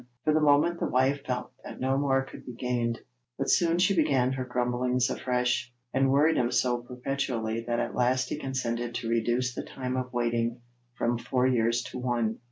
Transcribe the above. For the moment the wife felt that no more could be gained, but soon she began her grumblings afresh, and worried him so perpetually that at last he consented to reduce the time of waiting from four years to one.